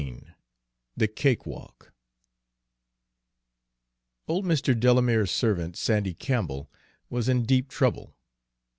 XIII THE CAKEWALK Old Mr. Delamere's servant, Sandy Campbell, was in deep trouble.